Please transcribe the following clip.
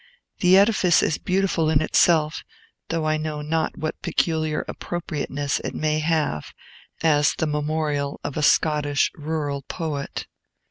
The edifice is beautiful in itself; though I know not what peculiar appropriateness it may have, as the memorial of a Scottish rural poet.